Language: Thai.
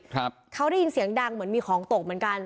ครับเขาได้ยินเสียงดังเหมือนมีของตกเหมือนกัน